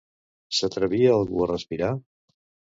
S'atrevia algú a respirar?